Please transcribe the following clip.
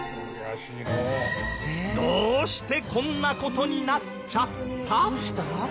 どうしてこんな事になっちゃった？